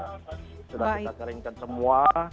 sudah kita keringkan semua